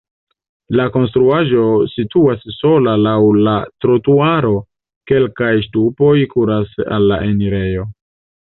La konstruaĵo situas sola laŭ la trotuaro, kelkaj ŝtupoj kuras al la enirejo.